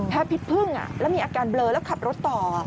พิษพึ่งแล้วมีอาการเบลอแล้วขับรถต่อ